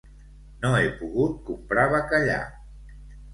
No he pogut comprar bacallà